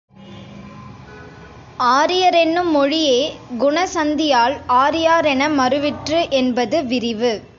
ஆரியரென்னும் மொழியே குண சந்தியால் ஆரியாரென மறுவிற்று என்பது விரிவு.